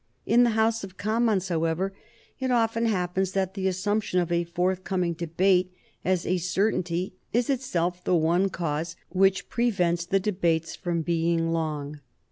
In the House of Commons, however, it often happens that the assumption of a forthcoming debate as a certainty is itself the one cause which prevents the debates from being long.